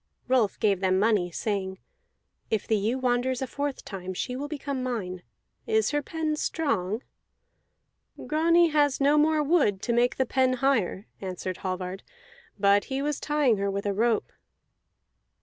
Rolf gave them money, saying: "If the ewe wanders a fourth time, she will become mine. Is her pen strong?" "Grani has no more wood to make the pen higher," answered Hallvard, "but he was tying her with a rope."